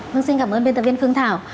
mình xin cảm ơn biên tập viên phương thảo